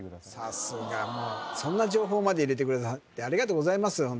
さすがもうそんな情報まで入れてくださってありがとうございます